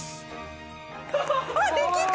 できた！